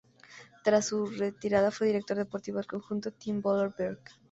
Tras su retirada fue director deportivo del conjunto Team Vorarlberg.